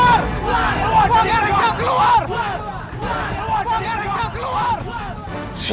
keluar rey keluar rey keluar rey keluar rey keluar rey